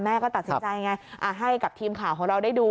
ก็ตัดสินใจไงให้กับทีมข่าวของเราได้ดู